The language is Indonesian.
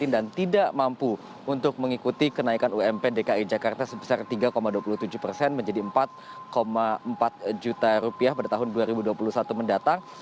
dan tidak mampu untuk mengikuti kenaikan ump dki jakarta sebesar tiga dua puluh tujuh persen menjadi empat empat juta rupiah pada tahun dua ribu dua puluh satu mendatang